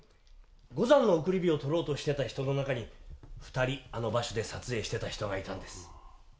五山の送り火を撮ろうとしてた人の中に２人あの場所で撮影してた人がいたんです。